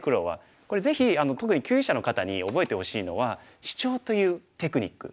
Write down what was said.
これぜひ特に級位者の方に覚えてほしいのはシチョウというテクニック。